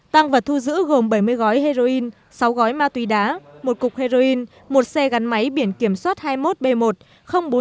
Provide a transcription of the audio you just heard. tăng vật thu giữ gồm bảy mươi gói heroin sáu gói ma túy đá một cục heroin một xe gắn máy biển kiểm soát hai mươi một b một bốn nghìn tám trăm linh hai